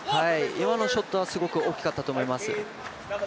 今のショットはすごく大きかったと思います。